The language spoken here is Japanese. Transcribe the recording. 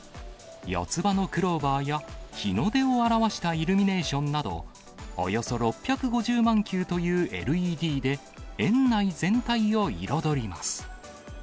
四葉のクローバーや、日の出を表したイルミネーションなど、およそ６５０万球というＬＥＤで、園内全体を彩ります。